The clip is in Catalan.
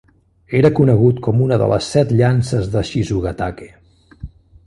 Era conegut com una de les "Set Llances de Shizugatake".